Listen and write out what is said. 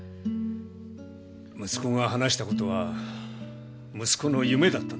息子が話したことは息子の夢だったんです。